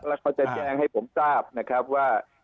แล้วเขาจะแจ้งให้ผมทราบนะครับว่า